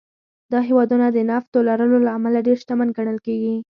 دا هېوادونه د نفتو لرلو له امله ډېر شتمن ګڼل کېږي.